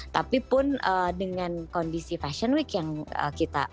tapi pun dengan kondisi fashion week yang kita